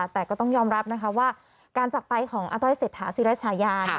แต่ก็ต้องยอมรับนะคะว่าการจักรไปของอาต้อยเศรษฐาศิรชายา